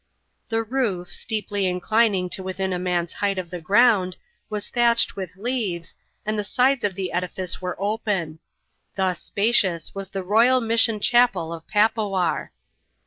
The roof — steeply inclining to within a man's height of the ground — was thatched with leaves, and the sides of the edifice were open. Thus spacious was the Royal Mission Chapel of Papoar.